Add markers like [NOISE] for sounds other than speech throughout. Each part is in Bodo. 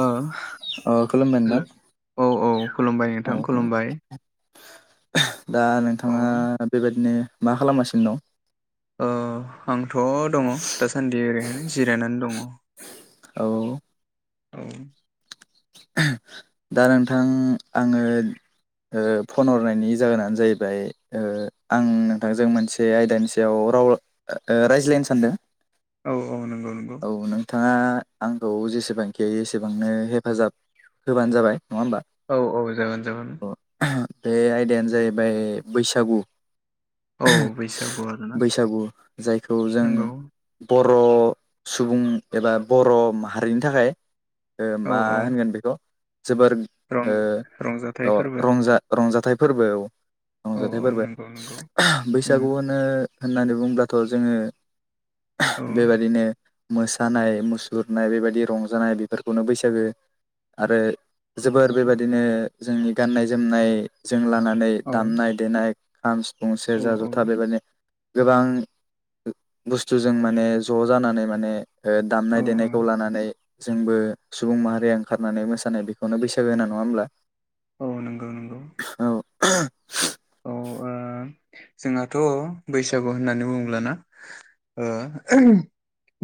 ओ अ खुलुमबाय नोंथां औ औ खुलुमबाय औ नोंथां औ खुलुमबाय दा औ नोंथाङा बेबायदिनो मा खालामगासिनो दं? ओ आंथ‌ दङ दासान्दि ओरैनो जिरायनानै दङ औ औ दा नोंथां आङो ओ फन हरनायनि जाहोनानो जाहैबाय ओ आं नोंथांजों मोनसे आयदानि सायाव राव ओ रायज्लायनो सानदो औ औ नंगौ नंगौ थाङा आंखौ जेसेबांखि हायो एसेबांनो हेफाजाब होबानो जाबाय नङा होमबा? औ औ जागोन जागोन ओ बे आयदायानो जाहैबाय बैसागु औ बैसागु आरोना बैसागु जायखौ जों नंगौ ब र‌ सुबुं एबा बर माहारिनि थाखाय ओ औ मा औ होनगोन बे? जोबोर रं रंजाथाइ ओ अ फोरबो रंजा-रंजाथाइ फोरबोआव औ औ रंजाथाइ औ फोरबो नंगौ नंगौ उम बैसागु होनो होननानै बुंङोब्लाथ जोङो औ बेबायदिनो मोसानाय मुसुरनाय बेबायदि रंजानाय बेफोरखौनो बैसागो आरो औ जोबोर औ बेबायादिनो जोंनि गाननाय जोमनाय जों लानानै औ दामनाय देनाय खाम सिफुं औ सेरजा औ जथा बेबायनो गोबां बुस्थुजों माने ज जानानै माने ओ औ दामनाय औ देनायखौ लानानै जोंबो सुबुं माहारिया ओंखारनानै मोसानाय बेखौनो बैसागो होना नङा होमब्ला? औ नंगौ नंगौ [INAUDIBLE] थां जोंहाथ' बैसागु होननानै बुंङैब्लाना ओ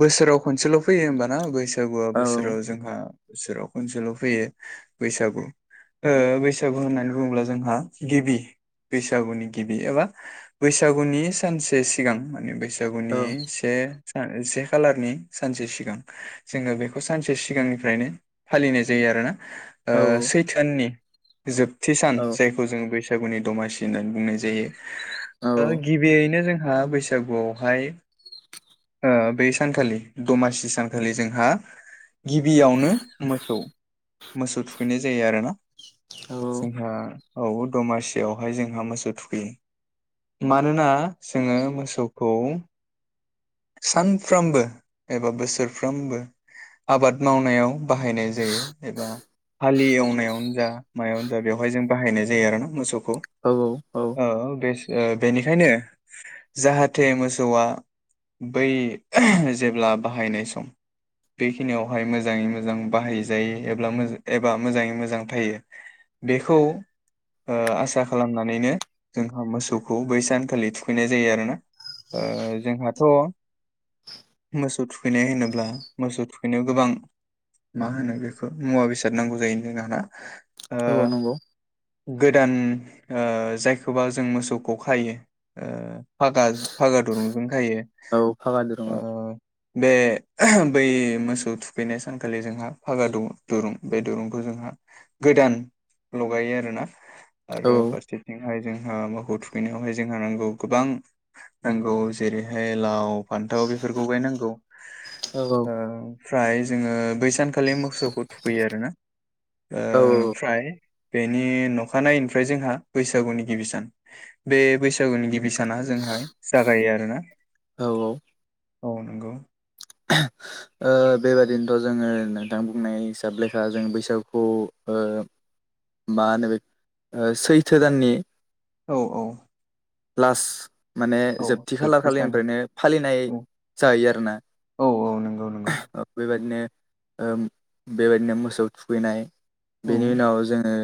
बोसोराव खनसेल' फैयो होमबाना बैसागुआ औ बोसोराव जोंहा बोसोराव खनसेल फैयो बैसागु ओ बैसागु होननानै बुंङोब्ला जोंहा गिबि बैसागुनि गिबि एबा बैसागुनि सानसे सिगां माने बैसा औ सागुनिगुनि से से खालारनि सानसे सिगां जोंङो बेखौ सानसे सिगांनिफ्रायनो फालिनाय जायो आरोना औ ओ सैथोयानि जोबथि सान औ जायखौ जोंङो बैसागुनि दमासि होननानै बुंनाय जायो औ ओ गिबियैनो जोंहा बैसागुआवहाय ओ बे सानखालि दमासि सानखालि जोंहा गिबियावनो मोसौ मोसौ थुखैनाय जायो आरोना जोंहा औ दमासि बेयावहाय जोंहा मोसौ थुखैयो मानोना जोंङो मोसौखौ सानफ्रोमबो एबा बोसोरफ्रामबो आबाद मावनायाव बाहायनाय जायो एबा हालि एवनायावनो जा मायावनो जा बेवहाय जों बाहायनाय जायो आरो ना मोसौखौ औ औ ओ बेस ओ बेनिखायनो जाहाथे मोसौआ बै जेब्ला बाहायनाय सम बेखिनियावहाय मोजाङै मोजां बाहायजायो एब्ला मोज एबा मोजांङै मोजां थायो। बेखौ ओ आसा खालामनानैनो जोंहा मोसौखौ बै सानखालि थुखैनाय जायो आरोना ओ जोंहाथ' मोसौ थुखैनाय होनोब्ला मोसौ थुखैनायाव गोबां मा होनो बेखौ मुवा बेसाद नांगौ जायो ओ औ नंगौ गोदान ओ जायखौबा जों मोसौखौ खायो फागा फागा दुरुंजोंखायो औ फागा दिरुङाव बे बै मोसौ थुखैनाय सानखालि जोंहा फागा दुं दुरुं बे दुरुंखौ जों जोंहा गोदान लगायो आरोना औ आरो फारसेथिं हाय जोंहा मोखौ थुखैनायावहाय जोंहा नांगौ गोबां नांगौ। जेरैहाय लाव फान्थाव बेफोरखौ बायनांगौ। औ ओ ओमफ्राय जोंङो बै सान खालि मोसौखौ थुखैयो आरोना ओ औ ओमफ्राय बेनि नखानायैनिफ्राय जोंहा बैसागुनि गिबि सान। बे बैसागुनि गिबि साना जो जोंहाय जागायो आरोना? औ औ औ नंगौ [UNINTELLIGIBLE] ओ बेबादिनोथ' जोंङो नोंथां बुंनाय हिसाब लेखा जों बैसागुखौ ओ मा होनो बेख ओ सैथो दाननि औ औ लास माने औ जोबथि खालार सान खालिनिफ्रायनो फालिनाय औ जाहैयो आरोना औ नंगौ नंगौ बेबायदिनो ओ बेबायदिनो मोसौ थुखैनाय औ बेनि उनाव जोंङो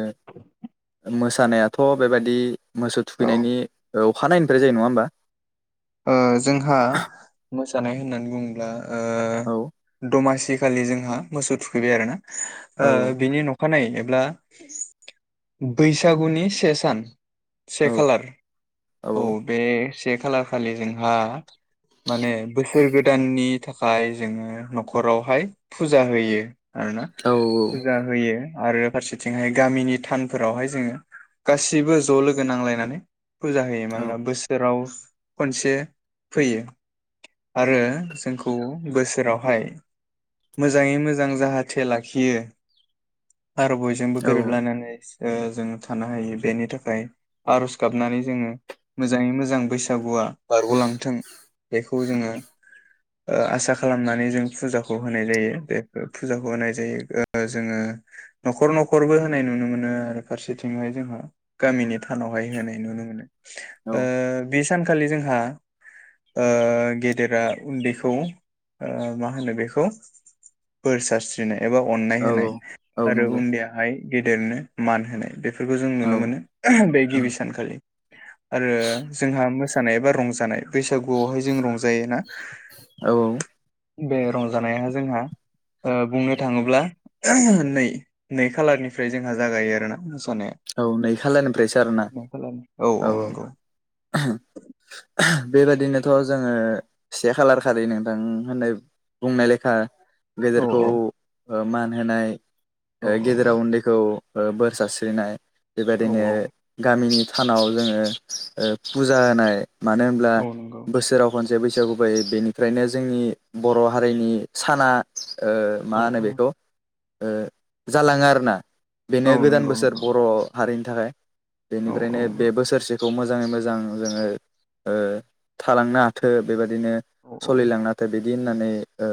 मोसानायाथ बेबायदि मोसौ औ थुखैनायनि ओ अखानायैनिफ्राय जायो। नंङा होमबा? ओ जोंहा मोसानाय होननानै बुंङोब्ला औ ओ दमासि इखालि जोंहा मोसौ थुखैबाय आरोना औ ओ बिनि न' खानायै एब्ला बैसागुनि से सान औ से खालार औ बे से खालार खालि जोंहा माने बोसोर गोदाननि थाखाय जोङो न'खरावहाय फुजा होयो आरो ना औ फुजा होयो आरो फारसेथिंहाय गामिनि थानफोरावहाय जोङो गासैबो ज' लोगो नांलायनानै फुजा होयो मानोना बोसोराव खनसे फैयो। आरो जोंखौ बोसोरावहाय मोजाङै मोजां जाहाथे लाखियो आरो बयजोंबो औ गोरोबलायनानै ओ जोङो थानो हायो बेनि थाखाय आर'ज गाबनानै जोङो मोजाङै मोजां बैस सागुआ बारग'लांथों बेखौ जोङो ओ आसा खालामनानै जों फुजाखौ होनाय जायो बे फो फुजाखौ होनाय जायो। ओ जोङो न'खर न'खरबो होनाय नुनो मोनो आरो फारसेथिंहाय जोंहा गामिनि थानावहाय होनाय नुनो मोनो। औ ओ बे सानखालि जोंहा ओ गेदेरा उन्दैखौ ओ मा होनो बेखौ बोर सारस्रिनाय एबा अननाय औ होनाय औ आरो नंगौ उन्दैयाहाय गेदेरनो मान होनाय बेफोर फोरखौ जों औ नुनो मोनो [UNINTELLIGIBLE] बे गिबि सानखालि आरो जोंहा मोसानाय एबा रंजानाय बैसागुआवहाय जों रंजायो ना औ बे रंजानाया जोंहा ओ बुंनो थाङोब्ला [UNINTELLIGIBLE] नै-नै खालारनिफ्राय जोंहा जागायो आरोना मोसानाया औ नै खालनिफ्रायसो आरोना मा खालामो? औ औ नंगौ [UNINTELLIGIBLE] बेबायदिनोथ' जोङो से खालार खालि नोंथां होननाय बुंंनाय लेखा औ गेदेरखौ ओ मान होनाय औ ओ गेदेरा उन्दैखौ ओ बोर सारस्रिनाय औ बेबायदिनो औ गामिनि थानाव जोङो ओ पुजा होनाय मानो होनब्ला औ नंगौ बोसोराव खन से बैसागु फायो बेनिफ्रायनो जोंनि बर' हारिनि साना ओ मा औ होनो औ बेखौ ओ जालाङो आरोना औ नंगौ नंगौ अ हारिनि थाखाय औ बेनिफ्रायनो बे बोसोरसे खौ‌ मोजाङै मोजां जोङो ओ थालांनो हाथो बेबा दिनो औ औ सलिलांनो हाथो बिदि होननानै ओ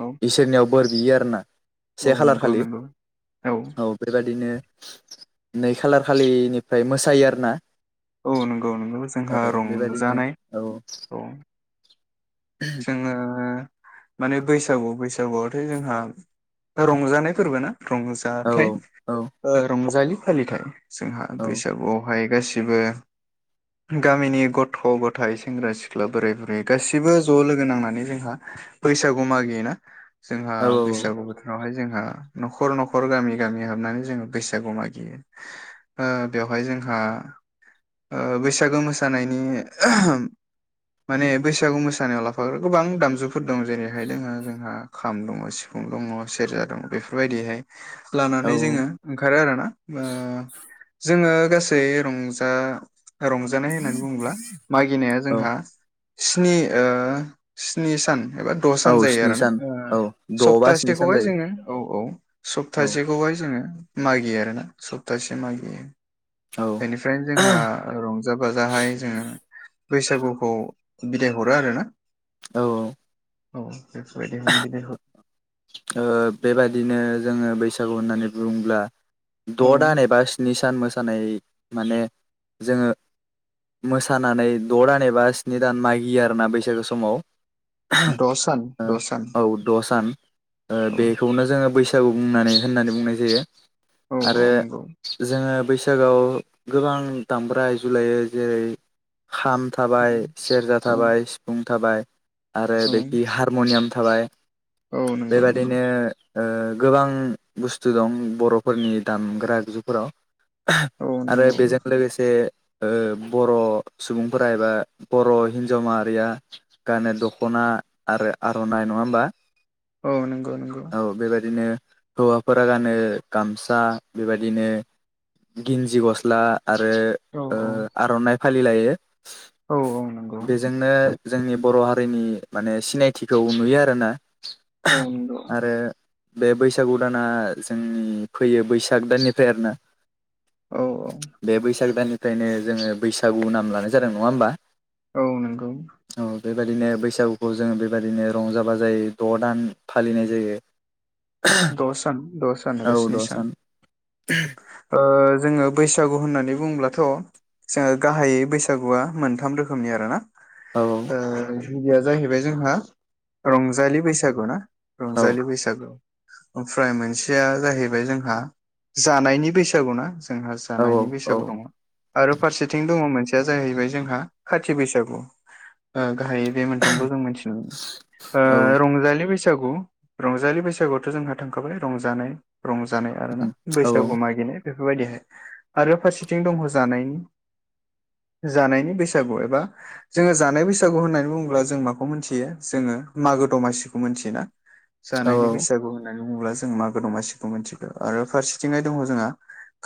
औ इसोरनियाव बोर बियो आरो ना से औ खालार नंगौ खालि नंगौ औ बेबायदिनो नै खालार खालिनिफ्राय मोसायो आरो ना औ नंगौ नंगौ औ जोंहा बेबायदिनो रंजानाय औ जोंङो माने बैसागु-बैसागुआथ' जोंहा ओ रंजानाय फोरबो ना? औ रंजाथाइ औ ओ रंजालि फालिथाइ जोंहा औ बैसागुआवहाय गासिबो गामिनि गथ' ग'थाइ सेंग्रा सिख्ला बोराय बुरै गासिबो ज' लोगो नांनानै जोंहा बैसागु मागियोना जोंहा बैसागु बोथोरावहाय जों ओ न'खर न'खर गामि गामि हाबनानै जोङो बैसागु मागियो ओ बेवहाय जोंहा आ ओ बैसागु मोसानायनि [UNINTELLIGIBLE] माने बैसागु मोसा सानायाव लाफाग्रा गोबां दामजुफोर दं जेरैहाय दोङो जोंहा खाम दङ' सिफुं दङ' सेरजा दङ' बेफोरबायदिहाय औ लानानै जोङो ओंखारो आरोना ओ जोङो गासै रंजा रंजानाय होननानै बुङोब्ला मागिनाया औ जोंहा स्नि ओ स्नि सान एबा द' औ सान जायो स्नि आरोना सान ओ औ द' बा स्नि सान सप्तासेखौहाय जायो जोङो औ औ औ सप्तासे खौहाय जोंङो मागियो आरोना सप्तासे मागियो। औ बेनिफ्रायनो जोंहा रंजा बाजाहाय जोंङो बैसागुखौ बिदाय हरो आरोना औ औ बेफोरबायदिनो बिदाय हरो ओ बेबादिनो जोंङो बैसागु होननानै बुंङोब्ला द' दान औ एबा स्नि सान मोसानाय माने जोंङो मोसानानै द' दान एबा स्नि दान मागियो आरोना बैसागो समाव। द' सान द' सान ओ औ द'सान ओ औ बेखौनो जोंङो बैसागु बुंनानै होननानै बुंनाय जायो। औ आरो औ नंगौ जोंङो बैसागुआव गोबां दामब्रा आगजु लायो जेरै खाम थाबाय सेरजा औ थाबाय सिफुं थाबाय आरो औ बेखि हारम'नियाम था थाबाय औ बे नंगौ नंगौ बादिनो ओ गोबां बुस्थु दं बर'फोरनि दामग्रा आगजुफोराव औ आरो नंगौ बेजों लोगोसे ओ बर' सुबुंफोरा एबा बर' हिनजाव माहारिया गानो दख'ना आ आरो आर'नाइ नंङा होमबा? औ नोंगौ नोंगौ। औ बेबायदिनो हौवाफोरा गानो गामसा बेबायदिनो गिन्जि गस्ला आरो औ ओ‌ औ आरननाइ फालि लायो। औ औ नंगौ बेजोंनो जोंनि बर' हा नि माने सिनायथिखौ नुयो आरोना। औ नोंगौ। आरो बे बैसागु दाना जोंनि फैयो बैसाग दाननिफ्राय आरोना। औ औ बे बैसाग दाननिफ्रायनो जोंङो बैसागु नाम लानाय जादों नंङा होमबा? औ नोंगौ। औ बेबायदिनो बैसागुखौ जोंङो बेबायदिनो रंजााबा जायो द' दान फालिनाय जायो। द'सान द'सान एबा औ स्नि द' सान ओ जोंङो बैसागु होननानै बुंब्ला थ' जोंङो गाहायै बैसागुआ मोनथाम रोखोमनि आरोना औ ओ गिबिया जाहैबाय जोंहा रंजालि बैसागु ना औ रंजालि बैसागु। ओमफ्राय मोनसेया जाहैबाय जोंहा जानायनि बैसागु ना? जोंहा औ जानायनि बैसागु दंङ आरो फारसेथिं दंङ मोनसे या जाहैबाय जोंहा खाथि बैसागु ओ गाहाय बे मोनथामखौ जों मोन्थियो औ ओ रंजालि बैसागु रंजालि बैसागु जोंहा थांखाबाय रंजानाय रंजानाय आरोना बैसागु औ मागिनाय बे बेफोर बायदिहाय आरो फारसेथिं दंङ जानाय [INAUDIBLE] जानायनि बैसागु एबा जोंङो जानाय बैसागु होननानै बुंङोब्ला जों माखौ मोन्थियो जोंङो मा गो द'मासिखौ मोन्थियोना औ जानायनि बैसागु [INAUDIBLE] ङोब्ला जों मागो दमासिखौ मोनथिगौ आरो फारसेथिंहाय दंङ जोंहा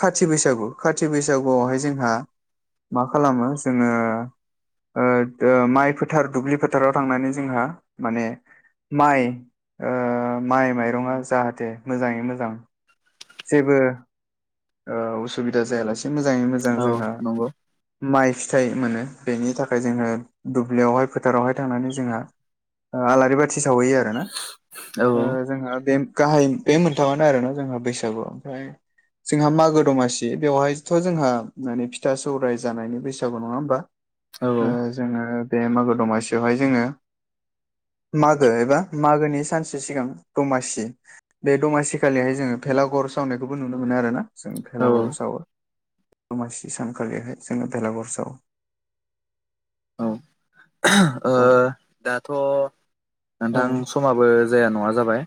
खाथि बैसागु खाथि बैसागुआवहाय जोंहा मा खालामो जोंङो ओ गो माइ फोथार दुब्लि फोथाराव थांनानै जोंहा माने माइ ओ माइ माइरंङा जाहाथे मोजांङै मोजां जेबो ओ उसुबिदा जायालासे मोजांङै मोजां औ जोंहा नंगौ माइ फिथाइ मोनो बेनि थाखाय जोंङो दुब्लियावहाय फोथारावहाय थांनानै जोंहा ओ आलारि बाथि सावहैयो आरोना औ ओ जोंहा बे गाहाय बे मोनथामङानो आरोना जोंहा बै सोबाव फ्राय जोंहा मागो दमासि बेवहायथ जोंहा माने फिथा सौराय जानायनि बैसागु नङा होमबा। ओ औ जोङो बे मागो दमासियावहाय जोङो। [INAUDIBLE] मागो एबा मागोनि सानसे सिगां दमासि बे दमासि खालिहाय जोङो। भेलाघर सावनायखौबो नुनो मोनो आरोना जों औ भेलाघर सावो। दमासि सानखालिहाय जोङो बेलाघर सावो। औ [UNINTELLIGIBLE] ओ औ दाथ औ नोंथां समाबो जाया नङा जाबाय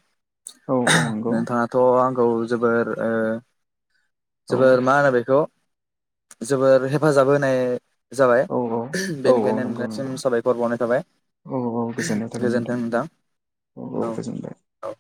औ औ [UNINTELLIGIBLE] नंगौ नोंथाङाथ आंखौ जोबोर ओ औ जोबोर मा होनो बेखौ जोबोर हेफाजाब होनाय। जाबाय औ औ उम औ औ बेनिखायनो नंगौ नोंथां सिम नंगौ साबायखर बावनाय थाबाय। औ औ गोजोननाय उम थाबाय गोजोन्थों नोंथां औ औ।